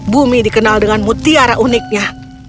bumi dikenal dengan mutiara uniknya